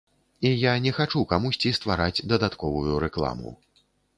І я не хачу камусьці ствараць дадатковую рэкламу.